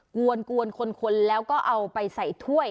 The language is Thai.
กวนคนแล้วก็เอาไปใส่ถ้วย